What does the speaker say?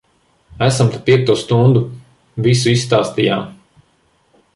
Esam te piekto stundu. Visu izstāstījām.